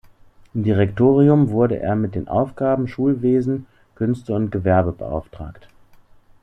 Im Direktorium wurde er mit den Aufgaben Schulwesen, Künste und Gewerbe beauftragt.